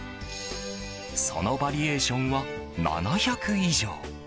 そのバリエーションは７００以上。